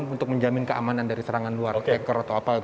untuk menjamin keamanan dari serangan luar hacker atau apa